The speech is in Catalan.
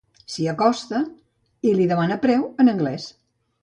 S'hi acosta i li demana preu en anglès.